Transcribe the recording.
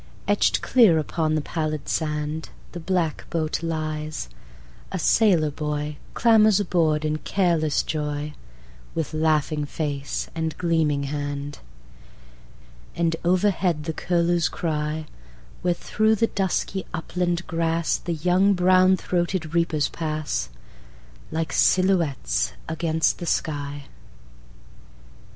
Etched clear upon the pallid sandThe black boat lies: a sailor boyClambers aboard in careless joyWith laughing face and gleaming hand. And overhead the curlews cry, Where through the dusky upland grassThe young brown throated reapers pass, Like silhouettes against the sky.